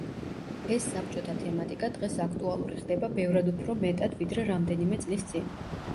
ეს საბჭოთა თემატიკა დღეს აქტუალური ხდება ბევრად უფრო მეტად ვიდრე რამდენიმე წლის წინ.